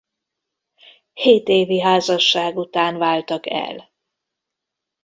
Hét évi házasság után váltak el.